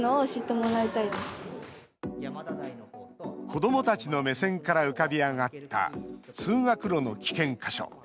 子どもたちの目線から浮かび上がった通学路の危険箇所。